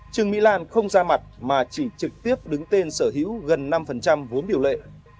trương mỹ lan không ra mặt mà chỉ trực tiếp đứng tên sở hữu gần năm vốn điều lệ